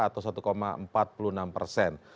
atau satu empat puluh enam persen